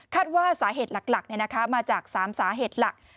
ว่าสาเหตุหลักมาจาก๓สาเหตุหลัก